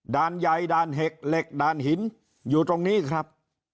ด่านใหญ่ด่านเห็กเหล็กด่านหินอยู่ตรงนี้ครับ